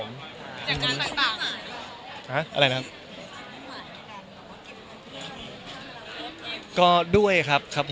ไม่ก็งนเลยครับ